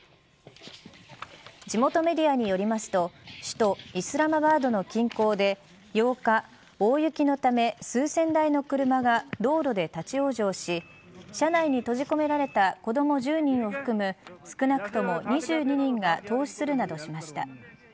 地元メディアによりますと首都イスラマバードの近郊で８日、大雪のため数千台の車が道路で立ち往生し車内に閉じ込められた子ども１０人を含む少なくとも２２人が凍死するなどしました。